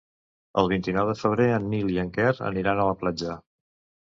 El vint-i-nou de febrer en Nil i en Quer aniran a la platja.